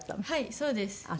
はいそうです。